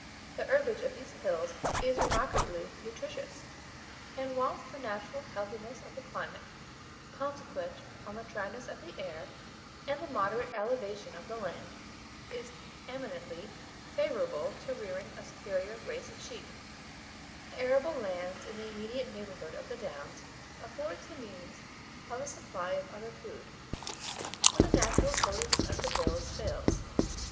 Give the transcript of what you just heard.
The herbage of these hills is remarkably nutritious; and whilst the natural healthiness of the climate, consequent on the dryness of the air and the moderate elevation of the land, is eminently favourable to rearing a superior race of sheep, the arable land in the immediate neighbourhood of the Downs affords the means of a supply of other food, when the natural produce of the hills fails.